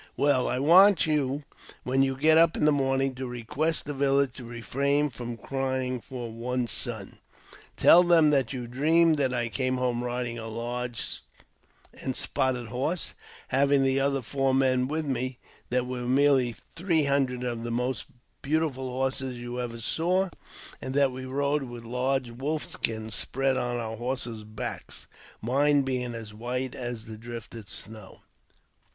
*' Well, I want you, when you get up in the morning, to re quest the village to refrain from crying for one sun. Tell them ihat you dreamed that I came home riding a large and spotted lorse, having the other four men with me ; that we had nearly 27G AVTOBIOGBAPHY OF three hundred of the most beautiful horses you ever saw, anc that we rode with large wolf skins spread on our horses' backs, mine being as white as the drifted snow."